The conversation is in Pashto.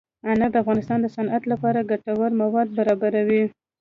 انار د افغانستان د صنعت لپاره ګټور مواد برابروي.